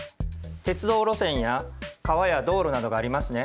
鉄道路線や川や道路などがありますね。